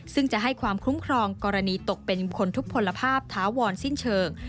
ซึ่งจะให้ความคุ้มครองกรณีตกเป็นบุคคลทุกผลภาพถาวรสิ้นเชิง